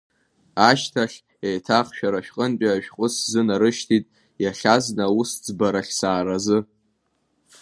Ашьҭахь еиҭах шәара шәҟынтәи ашәҟәы сзынарышьҭит иахьазын аусӡбрахь сааразы.